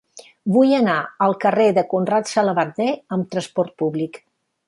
Vull anar al carrer de Conrad Xalabarder amb trasport públic.